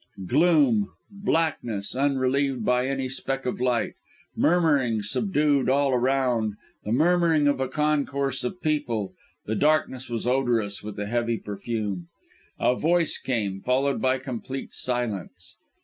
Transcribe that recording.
Gloom ... blackness, unrelieved by any speck of light; murmuring, subdued, all around; the murmuring of a concourse of people. The darkness was odorous with a heavy perfume. A voice came followed by complete silence.